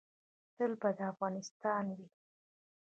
تل به دا افغانستان وي